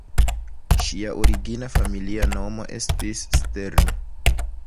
Ŝia origina familia nomo estis "Stern".